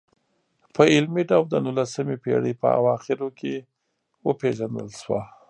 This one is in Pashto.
په علمي ډول د نولسمې پېړۍ په اخرو کې وپېژندل شوه.